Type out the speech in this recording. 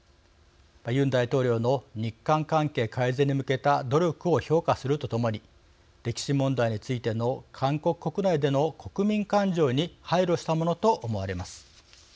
ユン大統領の日韓関係改善に向けた努力を評価するとともに歴史問題についての韓国国内での国民感情に配慮したものと思われます。